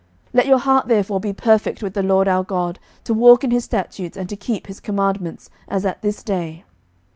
11:008:061 Let your heart therefore be perfect with the LORD our God, to walk in his statutes, and to keep his commandments, as at this day.